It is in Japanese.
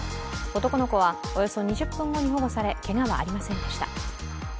男の子はおよそ２０分後に保護され、けがはありませんでした。